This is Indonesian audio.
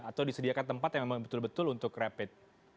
atau disediakan tempat yang memang betul betul untuk rapid